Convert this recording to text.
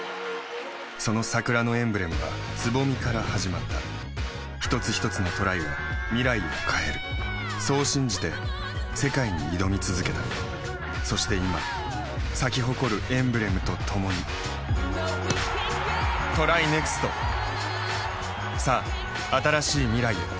その桜のエンブレムは蕾から始まった一つひとつのトライが未来を変えるそう信じて世界に挑み続けたそして今咲き誇るエンブレムとともにＴＲＹＮＥＸＴさあ、新しい未来へ。